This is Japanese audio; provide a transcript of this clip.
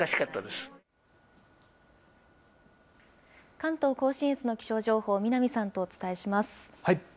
関東甲信越の気象情報、南さんとお伝えします。